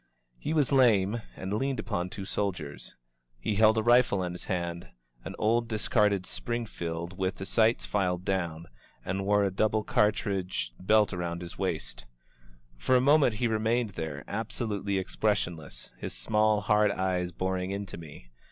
He was lame, and leaned upon two soldiers. He held a rifle in his hand, — an old, discarded Springfield, with the si^ts filed down, — ^and wore a double cartridge 200 AT THE GATES OF GOMEZ belt around his waist. For a moment he remained there, absolutely expressionless, his small, hard eyes boring into me.